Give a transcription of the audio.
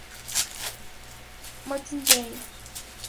Martin's Lane.